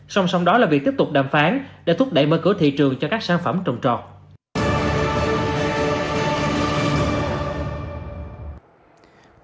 song song đó là việc tiếp tục đàm phán để thúc đẩy mở cửa thị trường cho các sản phẩm trồng trọt